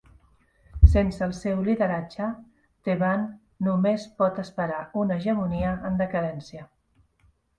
Sense el seu lideratge, Theban només pot esperar una hegemonia en decadència.